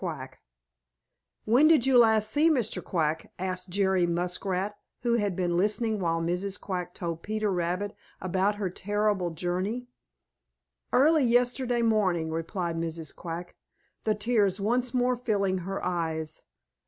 QUACK "When did you last see Mr. Quack?" asked Jerry Muskrat, who had been listening while Mrs. Quack told Peter Rabbit about her terrible journey. "Early yesterday morning," replied Mrs. Quack, the tears once more filling her eyes.